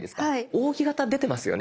扇形出てますよね？